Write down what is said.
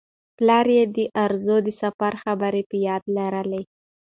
پلار یې د ارزو د سفر خبرې په یاد لرلې.